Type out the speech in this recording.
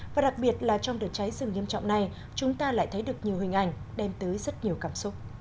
và đặc biệt là trong đợt cháy rừng nghiêm trọng này chúng ta lại thấy được nhiều hình ảnh đem tới rất nhiều cảm xúc